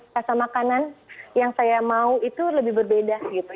rasa makanan yang saya mau itu lebih berbeda gitu